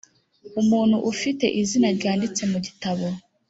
Umuntu ufite izina ryanditse mu gitabo